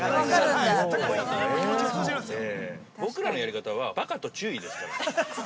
◆僕らのやり方はバカと注意ですから。